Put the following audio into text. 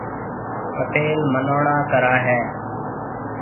پيٽل منوڻا ڪرائي هيَ۔